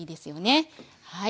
はい。